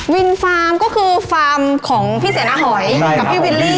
ฟาร์มก็คือฟาร์มของพี่เสนาหอยกับพี่วิลลี่